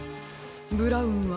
ブラウンは？